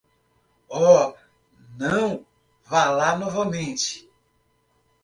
Oh, não vá lá novamente.